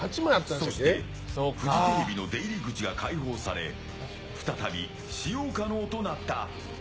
そしてフジテレビの出入り口が開放され再び、使用可能となった。